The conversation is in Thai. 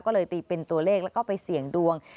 ก็เลยตีเป็นตัวเลขแล้วก็ไปเสี่ยงดวง